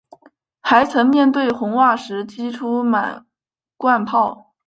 还曾面对红袜时击出满贯炮。